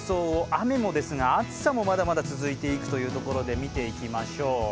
雨もですが、暑さもまだまだ続いてくというところで見ていきましょう。